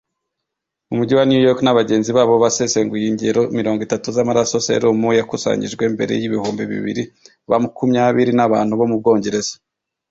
mu mujyi wa New York na bagenzi babo basesenguye ingero mirongo itatu z'amaraso-serumu yakusanyijwe mbere y’ibihumbi bibiri bakumyabiri n'abantu bo mu Bwongereza